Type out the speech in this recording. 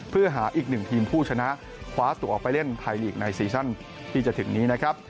เพื่อหาอีกหนึ่งทีมผู้ชนะคว้าตัวออกไปเล่นไทยลีกในซีซั่นที่จะถึงนี้นะครับ